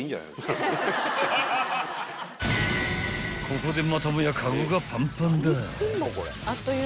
［ここでまたもやカゴがパンパンだ］